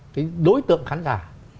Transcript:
cái đối tượng khán giả